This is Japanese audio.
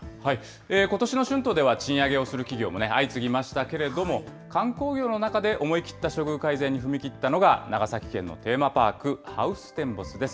ことしの春闘では賃上げをする企業も相次ぎましたけれども、観光業の中で思い切った処遇改善に踏み切ったのが、長崎県のテーマパーク、ハウステンボスです。